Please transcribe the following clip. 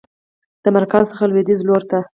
د مرکز څخه لویدیځ لورته